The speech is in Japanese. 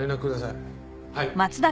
はい。